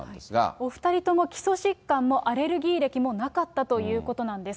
お２人とも基礎疾患もアレルギー歴もなかったということなんです。